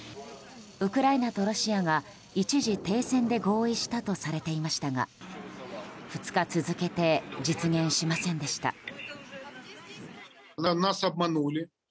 ウクライナとロシアは一時停戦で合意したとされていましたが２日続けて実現しませんでした。